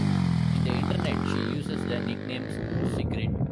In the Internet she uses the nickname Sigrid.